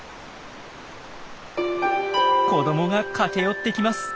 子どもが駆け寄ってきます。